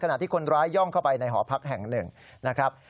ขณะที่คนร้ายย่องเข้าไปในหอพักแห่งหนึ่งนะครับ